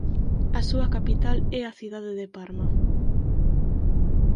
A súa capital é a cidade de Parma.